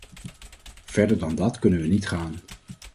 Verder dan dat kunnen we niet gaan.